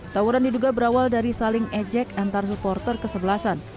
tawuran diduga berawal dari saling ejek antar supporter kesebelasan